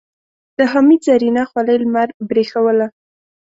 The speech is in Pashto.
د حميد زرينه خولۍ لمر برېښوله.